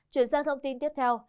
chuyển sang thông tin tiếp theo